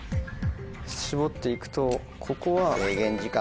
絞って行くとここは。